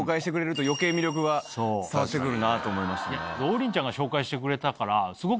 王林ちゃんが紹介してくれたからすごく。